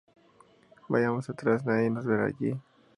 Vayamos atrás. Nadie nos verá allí.